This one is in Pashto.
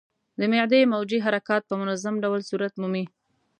د معدې موجې حرکات په منظم ډول صورت مومي.